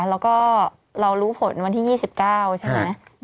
แล้วก็เรารู้ผลวันที่๒๙ใช่ไหม